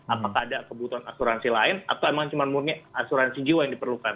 apakah ada kebutuhan asuransi lain atau memang cuma murni asuransi jiwa yang diperlukan